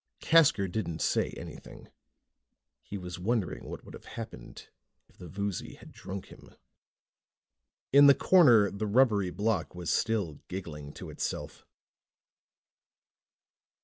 Casker didn't say anything. He was wondering what would have happened if the Voozy had drunk him. In the corner, the rubbery block was still giggling to itself.